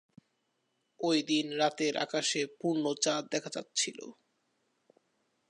ঐ দিন রাতের আকাশে পূর্ণ চাঁদ দেখা যাচিছল।